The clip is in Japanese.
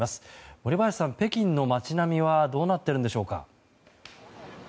森林さん、北京の街並みはどうなっているんでしょうか。